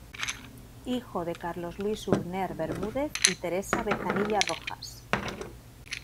Hijo de Carlos Luis Hübner Bermúdez y Teresa Bezanilla Rojas.